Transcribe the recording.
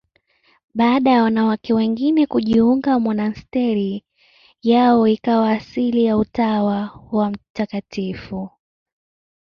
Baada ya wanawake wengine kujiunga, monasteri yao ikawa asili ya Utawa wa Mt.